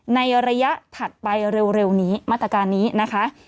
ในระยะถัดไปเร็วนี้มาตรการนี้นะคะ